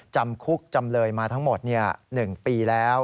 จำคุกจำเลยมาทั้งหมด๑ปีแล้ว